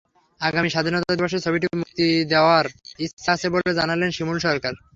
আগামী স্বাধীনতা দিবসে ছবিটি মুক্তি দেওয়ার ইচ্ছে আছে বলে জানালেন শিমুল সরকার।